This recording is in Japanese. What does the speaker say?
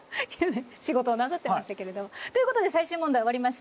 仕事をなさってましたけれど。ということで最終問題終わりました。